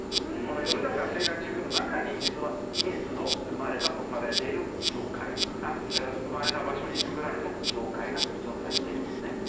ヨルダン川西岸地区の中に実はイエスの生まれた場所に作られた教会が存在しているんですね。